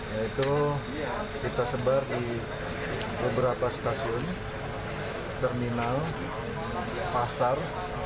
yaitu kita sebar di beberapa stasiun terminal pasar